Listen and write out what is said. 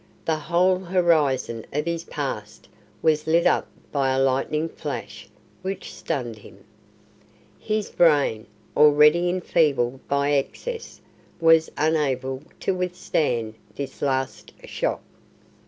The whole horizon of his past was lit up by a lightning flash which stunned him. His brain, already enfeebled by excess, was unable to withstand this last shock.